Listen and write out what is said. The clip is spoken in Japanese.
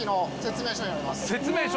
説明書？